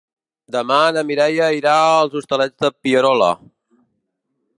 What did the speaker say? Demà na Mireia irà als Hostalets de Pierola.